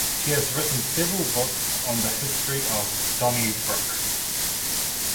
She has written several books on the history of Donnybrook.